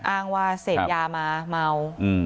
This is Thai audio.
อ้างว่าเสพยามาเมา